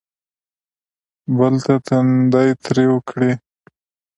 بل ته تندی تریو کړي.